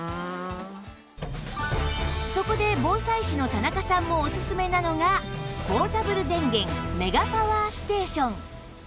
そこで防災士の田中さんもおすすめなのがポーダブル電源メガパワーステーション